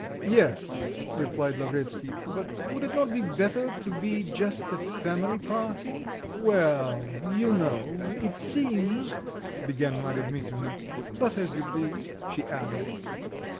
"Yes," replied Lavretsky, "but would it not be better to be just a family party?" "Well, you know, it seems," began Marya Dmitrievna. "But as you please," she added.